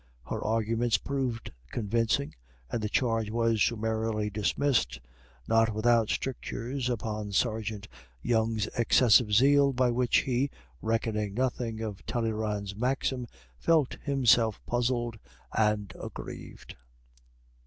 Her arguments proved convincing, and the charge was summarily dismissed, not without strictures upon Sergeant Young's excessive zeal, by which he, recking nothing of Talleyrand's maxim, felt himself puzzled and aggrieved.